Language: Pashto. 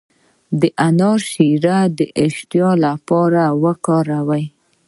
د انار شیره د اشتها لپاره وکاروئ